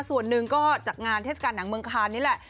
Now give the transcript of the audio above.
ส่วนหนึ่งก็จากงานเทศกาลหนังเมืองคานนี่แหละ